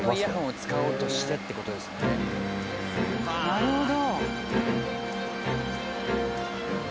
なるほど。